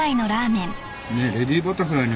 ねえレディバタフライの正体